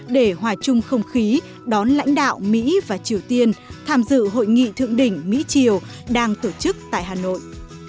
để hòa chung không khí đón lãnh đạo mỹ và triều tiên tham dự hội nghị thượng đỉnh mỹ triều đang tổ chức tại hà nội